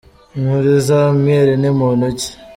Nkuriza Amiel ni muntu ki ?